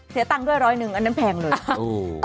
เสียตังค์ด้วยร้อยหนึ่งอันนั้นแพงเลย